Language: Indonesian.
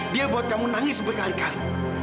dia buat kamu nangis berkali kali